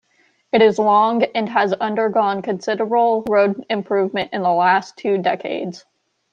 It is long, and has undergone considerable road improvement in the last two decades.